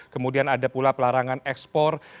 kemudian ada pula pelarangan ekspor